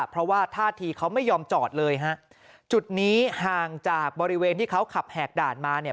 เพราะว่าท่าทีเขาไม่ยอมจอดเลยฮะจุดนี้ห่างจากบริเวณที่เขาขับแหกด่านมาเนี่ย